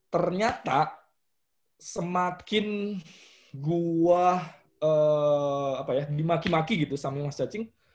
ternyata semakin gua dimaki maki gitu sama mas cacing